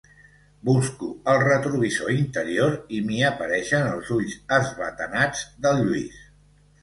Busco el retrovisor interior i m'hi apareixen els ulls esbatanats del Lluís.